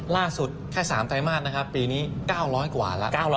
แค่๓ไตรมาสนะครับปีนี้๙๐๐กว่าแล้ว